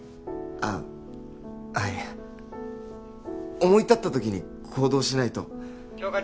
あっはい思い立った時に行動しないと☎杏花